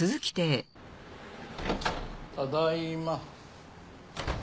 ただいま。